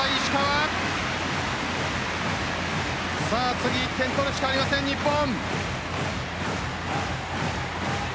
次、１点取るしかありません日本。